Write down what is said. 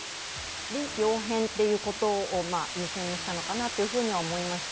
臨機応変ということを優先にしたのかなと思いました。